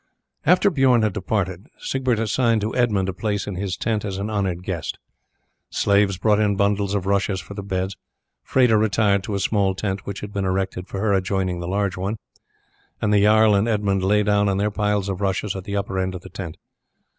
After Bijorn had departed Siegbert assigned to Edmund a place in his tent as an honoured guest. Slaves brought in bundles of rushes for the beds. Freda retired to a small tent which had been erected for her adjoining the larger one, and the jarl and Edmund lay down on their piles of rushes at the upper end of the tent.